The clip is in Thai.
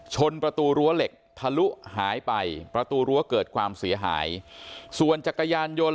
ชนประตูรั้วเหล็กทะลุหายไปประตูรั้วเกิดความเสียหายส่วนจักรยานยนต์